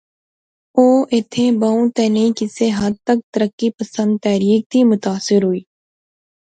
او ایتھیں بہوں تہ نئیں کسے حد تک ترقی پسند تحریک تھی متاثر ہوئی